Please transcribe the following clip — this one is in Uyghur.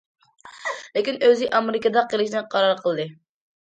لېكىن ئۆزى ئامېرىكىدا قېلىشنى قارار قىلدى.